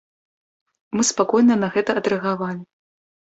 Мы спакойна на гэта адрэагавалі.